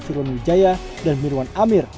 firman wijaya dan nirwan amir